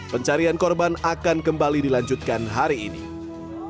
pencarian korban akan kembali di rumah kerabat